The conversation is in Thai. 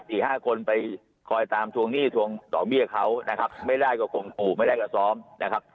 อีกห้าคนไปคอยตามทวงหนี้ทวงหมี้วะเขาไม่ได้คนฝุงไม่ได้คนซ้อมนะครับ